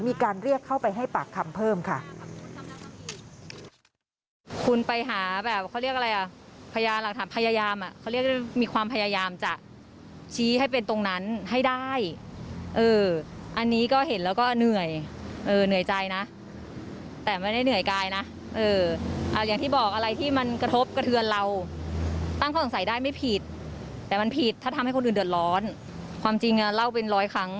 มีการเรียกเข้าไปให้ปากคำเพิ่มค่ะ